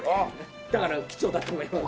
だから貴重だと思います。